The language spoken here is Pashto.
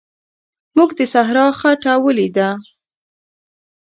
موږ د صحرا خټه ولیده.